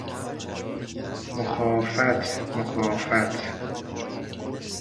مخافت - مخافة